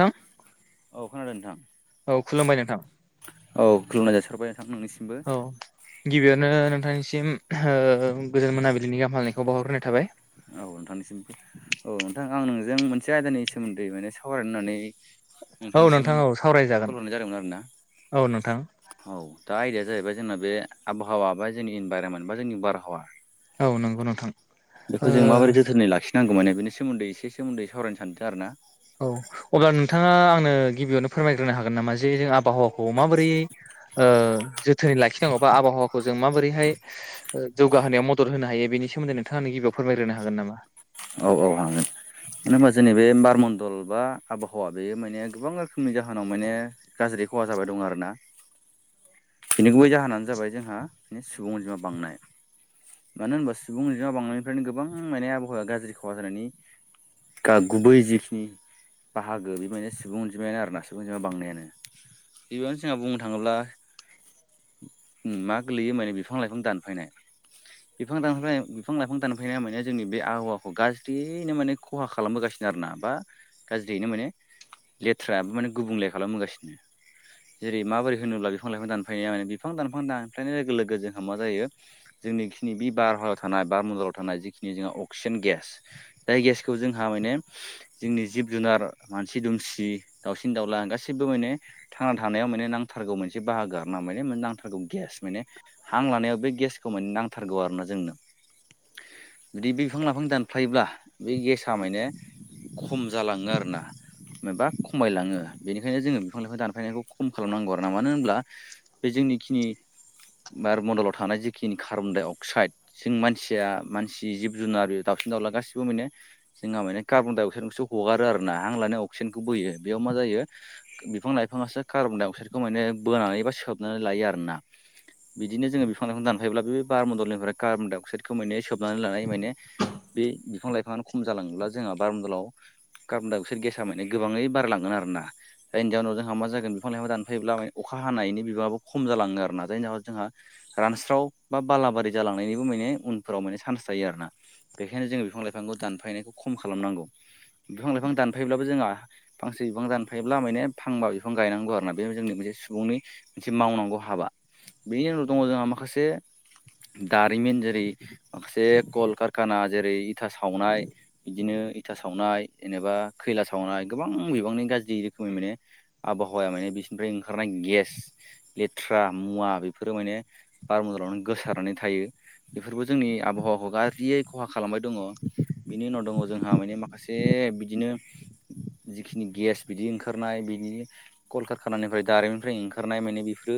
नोंथां औ खोनादों नोंथां - औ खुलुमबाय नोंथां। औ खुलुमनाय जासिहरबाय नोंथां नोंनिसिमबो औ गिबियावनो नोंथांनिसिम ओ गोजोन मोनाबिलिनि गाहाम फालायनायखौ बावहरग्रोनाय थाबाय। औ नोंथांनिसिमबो औ नोंथां आं नोंजों मोनसे आयदानि सोमोन्दै माने सावरायनानै औ नोंथां औ सावरायजागोन जादोंमोन आरोना औ नों। औ दा आयदाया जाहैबाय जोंना बे आबहावा बा जोंनि इनभाइरमेन्ट बा जोंनि बारहावा औ नंगौ नोंथां। बेखौ ओ जों माबोरै जोथोनै लाखिनांगौ माने बेनि सोमोन्दै एसे सोमोन्दै सावरायनो सानदों आरो ना। औ अब्ला नोंथाङा आंनो गिबियावनो फोरमायग्रोनो हागोन नामा जे जों आबहावाखौ माबोरै ओ जोथोनै लाखिनांगौ बा आबहावाखौ जों माबोरैहाय जौगाहोनायाव मदद होनो हायो। बेनि सोन्दै नोंथांमोन गबियाव फोरमानो होन नामा? औ औ नंगौ। मानो होनबा जोंनि बे बारमडल बा आबहावा बेयो माने गोबां रोखोमनि जाहोनाव माने गाज्रि खहा जाबाय दं आरो ना। [inaudible] बिनि गुबै जाहोनानो जाबाय जोंहा सुबुं अनजिमा बांनाय। मानो होनबा सुबुं बांनायनिफ्रायनो गोबां मानि आबहावाया गाज्रि खहा जानायनि गुबै जिखिनि। बाहागो बेबायदिनो सुबुं अनजिमायानो आरो ना सुबुं अनजिमाया बांनायानो। बेबानो जोंहा बुंनो थाङोब्ला। मा गोलैयो माने बिफां लाइफां दानफैनाय बिफां दान बिफां लाइफां दानफैनाया माने जोंनि बे आहावा गाज्रियैनो माने खहा खालामबोगासिनो आरोना बा गाज्रियैनो माने। लेथ्राबो माने गुबुंले खालामोगासिनो। जेरै माबोरै होनोब्ला बिफां लाइफां दानफायनाया माने बिफां दानफां दानफायनाय लोगो लोगो जोंहा मा जायो जोंनिखिनि बि बारहायाव थानाय बार मन्दलाव थानाय जिखिनि जोंहा अक्सिजेन गेस जाय गेसखौ जोंहा माने जोंनि जिब जुनार मानसि दुमसि दाउसिन दा दाउला गासिबो माने थांना थानायाव माने नांथारगौ मोनसे बाहागो आरोना माने नांथारगौ गेस माने - हां लानायाव बे गेसखौ माने नांथारगौ आरोना जोंनो। [inaudible] जुदि बे बिफां लाइफां दानफ्लायोब्ला बे गेस माने खम जालाङो आरोना। माबा खमायलाङो बेनिखायनो जोङो बिफां लाइफां दानफायनायखौ खम खालामनांगौ आरो ना मानो होनोब्ला बे जोंनिखिनि बार मन्डलाव थानाय जिखिनि कार्बन डाइ अक्साइद जों मानसिया मानसि जिब जुनार दावउसिन दावला गासिबो माने जोंहा माने कार्नडाइ अक्साइडखौसो हगारो आर ना आं लानो अक्सिजेनखौ बोयो बेयाव। मा जायो बिफां लाइफांसो कार्बन डाइ अक्साइडखौ माने बोनानै एबा सोबनानै लायो आरोना। बिदिनो जोङो बिफां लाइांखौ दानफायोब्ला बे बार मन्दलनिफ्राय कार्बन डाइ अक्साइदखौ माने सोबनानै लानाय माने बे बिफां लाइफांङानो खम जालाङोब्ला जोंहा बारमदलाव काबन डाइ अक्साइड गेसा गोबाङै बारलांगोन आरो ना। जायनि जाहोनाव जोंहा मा जागोन बिफां लाइफां दानफैयोब्ला अखा हानायनि बिबाङाबो खम जालाङो आरोना जायनि जाहोनाव जोंहा। रानस्राव बा बालाबारि जालांनायनिबो माने उनफोराव माने सान्स जायो आरोना। बेखायनो जोङो बिफां लाइफांखौ दानफायनायखौ खम खालामनांगौ बिफां लाइफां दानफायोब्लाबो जोंहा फांसे। बिफां दानफायोब्ला माने फांबा बिफां गायनांगौ आरो ना बे जोंनि मोनसे सुबुंनि मोनसे मावनांगौ हाबा। बेनि उनाव दङ जोंहा माखासे दारिमिन जेरै माखासे कलक गाना जेरै इथा सावनाय बिदिनो इथा सावनाय जेनेबा खैला सावनाय गोबां बोबांनि गाज्रि रोखोमनि माने आबहावाया माने बिसिोरनिफ्राय ओंखारनाय गेस लेथ्रा मुवा बेफोरो माने बार मन्दलावनो गोसारनानै थायो। बेफोरबो जोंनि आबहावाखौ गाज्रियै खहा खालामबाय दङ। बिनि उनाव दङ जोंहा माने माखासे बिदिनो जिखिनि गेस बिदि ओंखारनाय बि कलकारकानानिफ्राय दारिमननिफ्राय ओंखारनाय माने बेफोर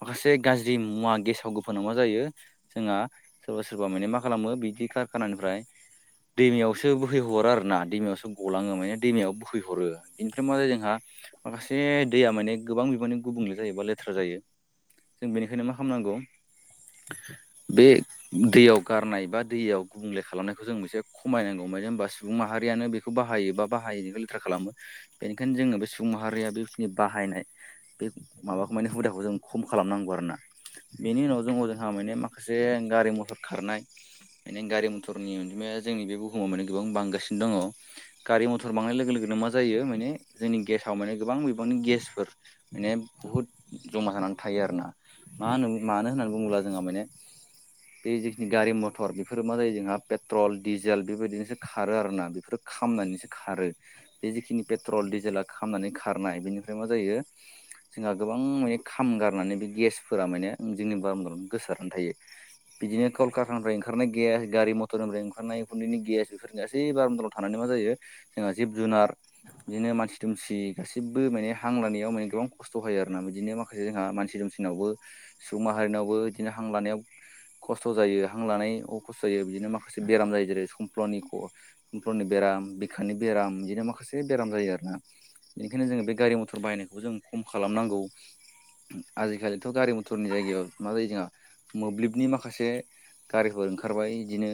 माखासे गाज्रि मुवा गेसाव गोफानाव मा जायो जोंहा सोरबा सोरबा माने मा खालामो बिदि कारखानानिफ्राय दैमायावसो बोहैहरो आरोना दैमायावसो गलाङो माने दैमायाव बोहैहरो बेनिफ्राय माजायो जोंहा माखासे दैया माने गोबां बिबांनि गुबुंले जायोबा लेथ्रा जायो जों बेनिखायनो मा खालामनांगौ बे दैयाव गारनाय बा दैयाव गुबुंले खालामनायखौ जों मोनसे खमायनांगौ मानो होनबा सुबुं माहारियानो बेखौ बाहायो बा बाहायैखौ लेथ्रा खालामो। बेनिखायनो जोङो बे सुबुं माहारिया बेखिनि बाहायनाय बे माबाखौ माने हुदाखौ जों खम खालाम नांगौ आरोना बेनि उनाव जंहजों हामयैनाय माखासे गारि मथर खारनाय मायने गारि मथरनि अनजिमाया जोंनि बे बुहुमाव माने गोबां बांगासिनो दङ गारि मथर बांनाय लोगो लोगोनो मा जायो माने जोंनि गेसाव माने गोबां बिबांनि गेसफोर माने बुहुत जमा जानानै था यो आरोना माहो मानोहोन्नानैबुङोब्लाजोंहा माने बे जिखिनि गारि मथर बेफोरो मा जायो जोंहा पेट्रल डिजेल बेबायदिनोसो खारो आरोना बेफोरो खामनानैसो खारो जिखिनि पेट्रल डिजेला ख खालामनानै खारनाय बेनिफ्राय मा जायो जोंहा गोबां माने खाम गारनानै बे गेसफोरा माने जोंनि बारमन्दलआव गोसारनानै थायो बिदिनो कलकातानिफ्राय ओंखार ओंखारनाय गेस गारि मथरओमफ्राय ओंखारनाय उन्दैनि गेस बेफोरनि गासै बारन्दलाव थानानै मा जोंहा जिब जुनार जुनार बिदिनो मानसि दुमसि गासिबो माने हां लानायाव माने गोबां खस्थ' होायो आर ना बिदिनो माखासे जोंहा मानसि मसिनावबो सुबुं माहारिनावबो बिदिनो हां लानायाव खस्थ' जायो हां लानाय अ खस्थ जायो बिदिनो माखासे बेराम जायो जेरै समफ्लनि बेराम बिखानि बेराम बिदिनो मासे बेाम जायो आरोना बेनिखायनो जोङो बे गारि मथर बाहायनायखौ जों खम खालामनांगौ आजिखालिथ' गारि मथरनि जायगायाव मा जायो जोंहा मोब्लिबनि माखासे गारिफोर ओंखारबाय बिदिनो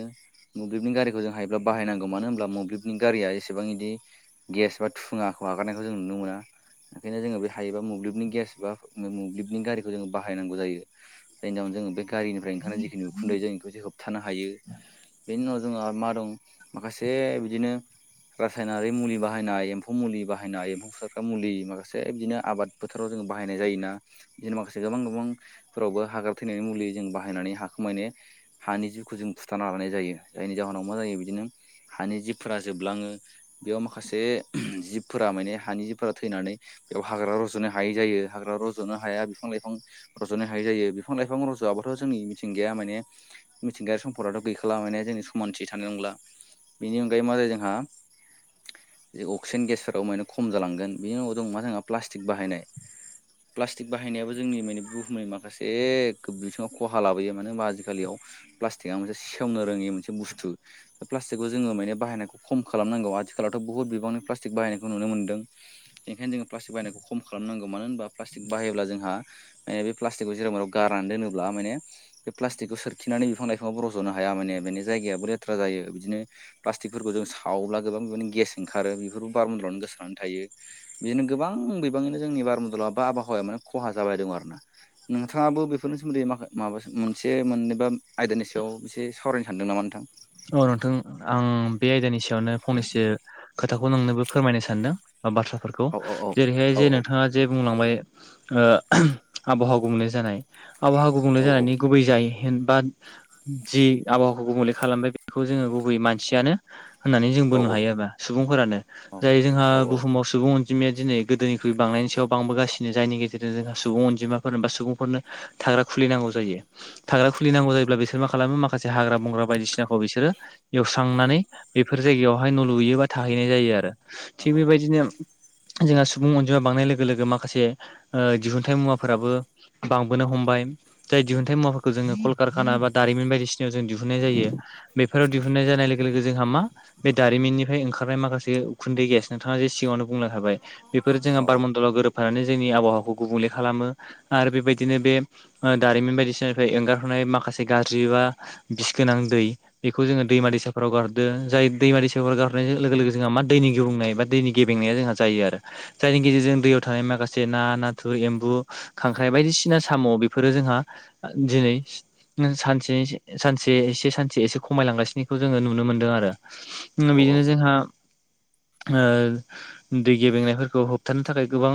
मोब्लिबनि गारिखौ जों हायोब्ला बाहायनांगौ मानो होनब्ला मोब्लिबनि गारिया एसेबां एदि गेस बा थुङाखौ हगारनायखौ जों नुनो मोना ओंखायनो जोङो बे हायोबा मोब्लिबनि गेस बा मोब्लिबनि गारिखौ जों बाहायनांगौ जायो जायनिजावनो जोङो बे गारिनिफ्राय ओंखारनानै जिखिनि उखुन्दै जों बेखौ जे होबथानो हायो। बेनि उनाव जोंहा मा दं माखासे बिदिनो रासायनारि मुलि बाहायनाय एम्फौ मुलि बाहायनाय एम्फौ फुसारग्रा मुलि माखासे बिदिनो आबादफोआव जों जों बायनाय जायोना जोंनो माखासे गोबां गोबांफोरावबो हाग्रा थैनायनि मुलि जों बाहायनानै हाखौ माने हानि जिउखौ जों फुथना लानाय जायो जायनि जाहोनाव मा जायो बिदिनो हानि जिबफोरा जोबलाङो बेयाव माखासे जिबफोरा माने हानि जिबफोरा थैनानै बेयाव हाग्रा रज'नो हायै जायो हाग्रा रज'नो हाया बिफां लाइफां रज'नो हायै जायो बिफां लाइफां रज'आ बाथ' जोंनि मिथिंगाया माने मिथिंगायारि सम्पदथ' गैखाला माने जोंनि समानथि थानो रोंला बेनि अनगायै मा जायो जोंहा जे अक्सिजेन गेसफोराव माने खम जालांगोन बेनि उनाव दं मा जोंहा प्लास्टिक बाहायनाय प्लास्टिक बाहायनायाबो जोंनि माने बुहुमनि माखासे बिथिङाव खहा लाबोयो मानो होनबा आजिखालियाव प्लास्टिकआ मोनसे सेवनो रोङि मोनसे बुस्थु प्लास्टिकखौ जोङो माने बाहायनायखौ खम खालामनांगौ आथिखालाव बहुद बिबांनिलाटिक बायनायखौ नु मोनदों बेनिखायनो जोङो प्लास्टिक बाहायनायखौ खम खालामनांगौ मानो होनब्ला बाहायोब्ला जोंहा माने बे प्लास्टिकखौ जेराव माव गारनानै दोनोब्ला माने बे प्लास्टिकखौ सोरखि फिनानै बिफां लाइफांआबोरज'नो हाया माने बेनि जायगायाबो लेथ्रा जायो बिदिनो प्लास्टिकफोरखौ जों सावब्ला गोबां गेस ओंखारो बेफोरफोरखौबो बारमन्दलावनो गोस्रानै थायो बिदिनो गोबां बिबाङैनो जोंनि बारमन्दला बार आबहावाया माने खहा जाबाय दं आरोना नोंथाङाबो बेफोरनि सोमोन्दै माखा माबा मोनसे मोननैबा आयदानि सायाव एसे सावरायनो सानदों नामा नोंथां औ नोंथां आं बे आयदानि सायावनो फंनैसो खोथाखौ नोंनोबो फोरमायनो सानदों बाथ्राफोरखौ औ औ जेरैहाय औ जे नोंथाङा जे बुंलांबाय आबहावा गुबुंले जानाय आबहावा गुबुंले औ जानायनि गुबै जाय हेनबाद जि आबहावाखौ गुबुंले खालामबाय बेखौ जोङो गुबैयै मानसियानो होनानै जों औ बुंनो हायोबा सुबुंफोरानो जाय जोंहा औ बुहुमाव सुबुं अन जिमाया दिनै गोदोनिख्रुइ बांनायनि सायाव बांबोगासिनो जायनि गेजेरजों जोंहा सुबुं अनजिमानो बा सुबुंफोरनो थाग्रा खुलिनांगौ जायो थाग्रा खुलिनांगौ जायोब्ला बिसोर मा खालामो माखासे हाग्रा बंग्रा बायदिसिनाखौ बिसोरो। एवस्रांनानै बेफोर जायगायावहाय न' लुयोबा थाहैनाय जायो आरो थिग बेबायदिनो जोंहा सुबुं अनजिमा बांनाय लोगो लोगो माखासे ओ दिहुनथाइ मुवाफोराबो बांबोनो हमबाय। जाय दिहुनथाइ मुवाफोरखौ जोङो कलकारखाना बा दा रिमिन बायदिसिनााव जों दिहुननाय जायो। बेफोराव दिहुननाय जानाय लोगो लोगो जोंहा मा बे दारिमिननिफ्राय ओंखारनाय माखासे उखुन्दै गेस नोंथाङा जे सिगाङावनो बुंलां खाबाय। बेफोर जोंहा बारमण्डलाव गोरोब फानानै जोंनि आबहावाखौ गुबुंले खालामो आरो बेबायदिनो बे दारिमिन बायदिसिनाफ्राय एंगारहरनाय माखासे गाज्रि बा बिस गोनां दै बेखौ जोङो दैमा दैसाफोराव गारहरदो जाय दैमा दैसाफोराव गारनाय लोगो लोगो जोंहा मा दैनि गुबुंनाय बा दैनि गेबेंनाया जोंहा जायो आरो जायनि गेजेरजों दैयाव थानाय माखासे ना, नाथुर, एम्बु खांख्राइ बायदिसिना साम' बेफोरो जोंहा दिनै सानसे सानसे एसे सान से एसे खमायलांगासिनोखौ जोङो नुनो मोनदों आरो औ बिदिनो जोंहा ओ दै गेबेंनायफोरखौ होबथानो थाखाय गोबां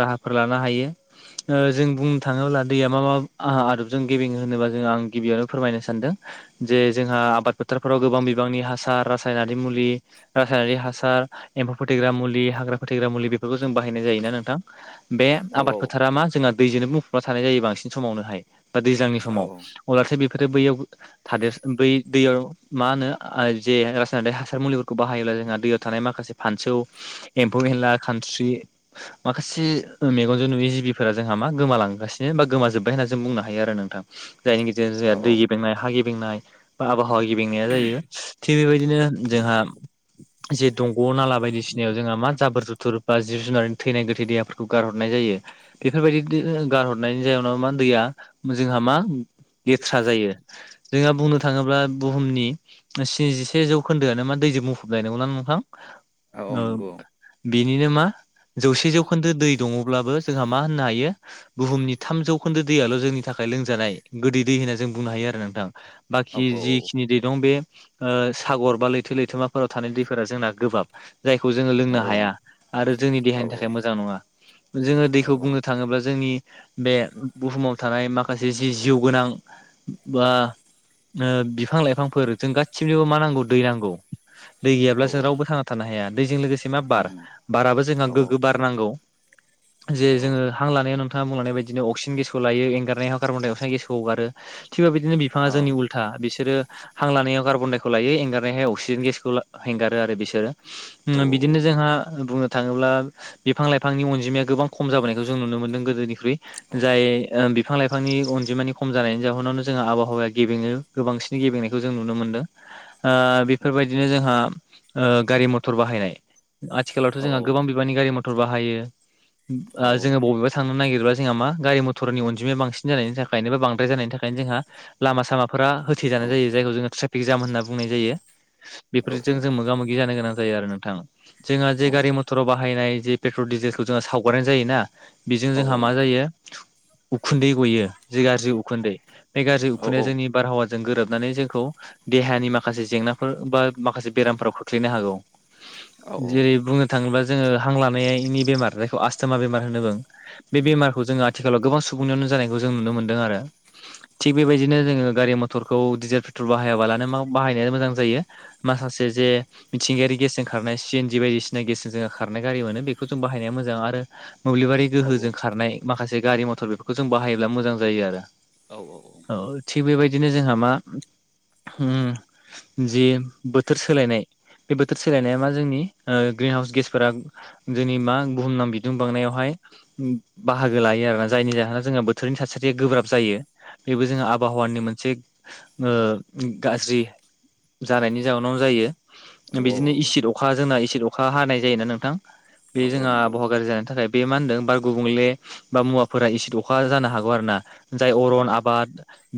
राहाफोर लानो हायो। ओ जों बुंनो थाङोब्ला दैया मा मा आ-आदबजों गेबेङो होनोबा जों आं गिबियावनो फोरमायनो सानदों जे जोंहा आबाद फोथारफोराव गोबां बिबांनि हासार, रासायनारि मुलि, रासायनारि हासार एम म्फौ फोथैग्रा मुलि हाग्रा फोथैग्रा मुलि बेफोरखौ जों बाहायनाय जायो ना नोंथां। बे औ आबाद औ फोथारा मा जोंहा दैजोंनो बुंफुबना थानाय जायो बांसिन समावनोहाय। बा दैज्लांनि औ समाव। अब्लाथाय बेफोरो बैयाव थादेर बै दैयाव मा होनो जे रासायारिक हासार मुलिफोरखौ बाहायोब्ला जोंहा दैयाव थानाय माखा माखासे फानसौ एम्फौ एनला खानस्रि माखासे मेगनजों नुयै जिबिफोरा जों हा मा गोमालांगासिनो बा गोमा जोब्बाय होनना जों बुंनो हायो आरो नोंथां। जायनि गेजेरजों जोंहा औ दै औ गेबेंनाय हा गेबेंनाय बा आबहावा गेबेंनाया जायो थिग बेबायदिनो जोंहा जे दंग' नाला बायदिसिनायाव जोंहा मा जाबोर जुथुर बा जिब जुनारनि थैनाय गोथै देहाफोरखौ गारहरनाय जायो। बेफोरबायदि गारहरनाय जाउनाव मा दैया जोंहा मा गेथ्रा जायो। जोंहा बुंनो थाङोब्ला बुहुमनि स्निजिसे जौखोन्दोआनो मा दैजों बुंफबनाय, नंगौना नोंथां? औ औ नंगौ [inaudible] बेनिनो मा जौसे जौखोन्दो दै दङब्लाबो जोंहा मा होननो हायो बुहुमनि थाम जौ खोन्दो दैयाल' जोंनि थाखाय लोंजानाय गोदै दै होनना जों बुंनो हायो आरो नोंथां। औ बाखि जिखिनि दै दं बे ओ सागर बा लैथो लैथोमाफोराव थानाय दैफोरा जोंना गोबाब। जायखौ जोङो औ लोंनो हाया आरो जोंनि देहानि थाखाय मोजां नङा। जोङो औ दैखौ बुंनो थाङोब्ला जोंनि बे बुहुमाव थानाय माखासे जि जिउ गोनां बा ओ बिफां लाइफांफोर जों गासिनोबो मा नांगौ दै नांगौ। दै औ गैयाब्ला जों रावबो थांना थानो हाया दैजों लोगोसे मा बार, उम बाराबो जोंहा उम औ गोग्गो बार नांगौ। जे औ जोङो हां लानायाव नोंथां ङा बुंलांनाय बादिनो अक्सिजेन गेसखौ लायो, एंगारनायाव कार्बन डाय अक्साइड गेसखौ हगारो थिग। बेबादिनो बि फाङा औ जोंनि उलथा। बि सोरो हां लानायाव कार्बन डायखौ लायो एंगारनायहाय अक्सिजेन गेसखौ हेंगारो आरो बिसो औ सोरो। बिदिनो जोंहा बुंनो थाङोब्ला बिफां लाइफांनि अनजिमाया गोबां खम जाबोनायखौ जों नुनो मोनदों गोदोनि ख्रुइ। जाय ओ बिफां लाइफांनि अनजिमानि खम जानायनि जाहनावनो जोंहा आबहावाया गेबेङो गोबांसिन गेबेंनायखौ जों नुनो मोनदों ओ बेफोरबायदिनो जोंहा ओ गारि मथर बाहायनाय। आथिखालावथ औ जोंहा गोबां बिबांनि गारि मथर बाहायो। जोंङो बबेबा थांनो नागिर ब्ला जोंहा मा गारि मटरनि अनजिमाया बांसिन जानायनि थाखायनो जोंहा लामा सामा फोरा होथेजानाय जायो जायखौ जोंङो ट्रेफिक जाम होनना बुंनाय जायो। औ बेफोरजों जों औ उम औ मोगा मोगि जानो गोनां जायो आरो नोंथां। जोंहा जे गारि मथराव बाहायनाय जे पेट्रल डिजेलखौ जोंहा सावगारनाय जायोना। बेजों औ जोंहा मा जायो उखुन्दै गयो जे गाज्रि उखुन्दै बे गाज्रि उखुन्दैया जोंनि बारहावा जों गोरोबनानै जोंखौ देहानि माखासे जेंनाफोर बा माखासे बेरामफोराव खोख्लैनो हागौ। जेरै बुंनो थांङोब्ला जोंङो हां लानायनि बेमार जायखौ आस्थमा बेमार होनना बुं। बे बेमारखौ जोंङो आथिखालाव गोबां सुबुंनियावनो जानायखौ जों नुनो मोनदों आरो। थिग बेबाय दिनो जोंङो गारि मथरखौ डिजेल पेट्रल बाहायाबालानो मा बाहायनायानो मोजां जायो माखासे जे मिथिंगायारि गेसजों खारनाय सि एन जि बायदिसिना गेसजों जोंङो खार नाय गारि मोनो बेखौ जों बाहायनाया मोजां आरो मोब्लिबारि गोहोजों खारनाय माखासे गारि मथर बेफोरखौ जों बाहायोब्ला मोजां जायो आरो। औ औ औ। औ थिग बेबायदिनो जोंहा मा [unintelligible] जि बोथोर सोलायनाय बे बोथोर सोलायनाया मा जोंनि ओ ग्रिन हाउस गेसफोरा जोंनि मा बुहुम नाम बिदुं बांनायावहाय बाहागो लायो आरोना जायनि जाहोनाव जोंना बोथोरनि थासारिया गोब्राब जायो। बेबो जोंङो आबहावानि मोनसे ओ गाज्रि जानायनि जाहोनावनो जायो। बिदिनो एसिद अखा जोंना एसिद अखा हानाय जायोना नोंथां? बे जोंहा नंगौ आबहावा गाज्रि जानायनि थाखाय बे मा होनदों बार गुबुंले बा मुवाफोरा एसेद अखा जानो हागौ आरो ना जाय औ अरन आब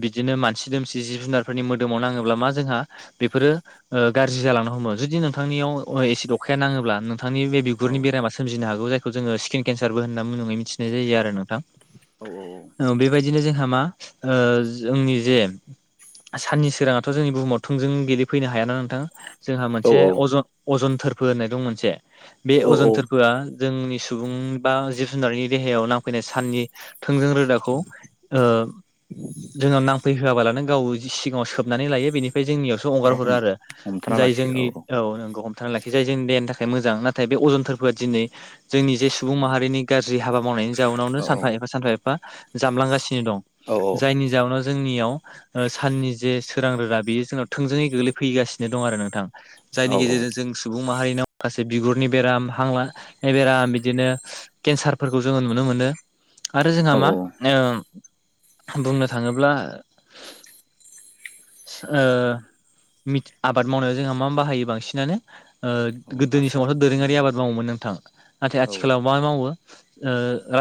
बिदिनो मानसि दोमसि जिब जुनार फोरनि मोदोमाव नाङोब्ला मा जोंहा बेफोरो ओ गाज्रि जालांनो हमो। जुदि नोंथांनियाव अ एसिड अखा अखाया नांङोब्ला नोंथांनि बे औ बिगुरनि बेरामा सोमजिनो हागौ जाय खौ जोंङो स्किन केन्सारबो होनना मुंङै मिथिनाय जायो आरो नोंथां। ओ बेबायदिनो जोंहा मा ओ जोंनि जे साननि सोराङाथ' जोंनि बुहुमाव थोंजों गोलैफैनो हायाना नोंथां। जोंहा मोनसे औ अजन अजन थोरफो होननाय दं मोनसे। बे अजन थोरफोआ जोंनि सुबुं बा जिब जुनारनि देहायाव नांफैनाय साननि थोंजों रोदाखौ ओ जोंनाव नांफैहोआबालानो गाव सिगांङाव सोबनानै लायो बेनिफ्राय जोंनियावसो हंगार हरो हम आरो हमथाना जाय लाखियो जोंनि औ नंगौ हमथाना लाखियो जोंनि देहानि थाखाय मोजां नाथाय बे अजन थोरफोआ दिनै जोंनि जे सुबुं माहारिनि गाज्रि हाबा मावनायनि जाउनावनो औ औ सानफा एफा सानफा एफा जामलांगासिनो दं। जायनि जाहोनाव जोंनियाव ओ साननि जे सोरां रोदा बेयो जोंनाव थोंजोङै गोग्लैफैगा सिनो दं आरो नोंथां। जायनि गेजेरजों जों सुबुं माहारिनाव माखासे बिगुरनि बेराम हां ला नाय बेराम बिदिनो केन्सारफोरखौ जोंङो नुनो मोनो। आरो जोंहा मा ओ बुंनो थांङोब्ला ओ मिद आबाद मावनायाव जोंहा मा बाहायो बांसिनानो जोंहा गोदोनि समावथ' दोरोङारि आबाद मावोमोन नों थां। नाथाय आथिखालाव मा मावो ओ